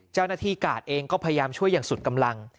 เจ้าหน้าที่กาดเองก็พยายามช่วยอย่างสุดกำลัง